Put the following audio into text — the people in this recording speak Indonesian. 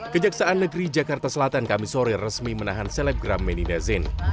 kejaksaan negeri jakarta selatan kami sore resmi menahan selebgram medina zain